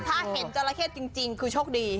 ถ้าเห็นจราเข้จริงคือโชคดี